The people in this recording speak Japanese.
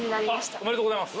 おめでとうございます。